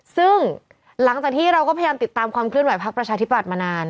ซึ่งหลังจากที่เราก็พยายามติดตามความเคลื่อนไหพักประชาธิบัตย์มานาน